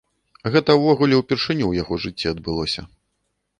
Гэта ўвогуле ўпершыню ў яго жыцці адбылося.